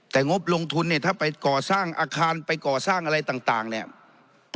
แต่งบลงทุนเนี่ยถ้าไปก่อสร้างอาคารไปก่อสร้างอะไรต่างเนี่ย